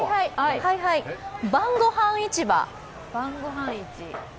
晩ごはん市場？